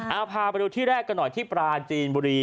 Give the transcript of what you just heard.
เอาพาไปดูที่แรกกันหน่อยที่ปราจีนบุรี